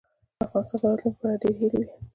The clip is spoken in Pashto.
د افغانستان د راتلونکې په اړه ډېرې هیلې وې.